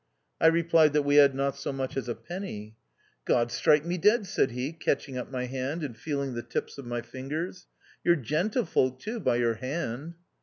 I replied that we had not so much as a penny. " God strike me dead !" said he, catching up my hand, and feeling the tips of my fingers ;" you're gentlefolk, too, by your hand."